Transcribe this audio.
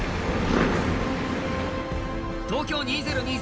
東京２０２０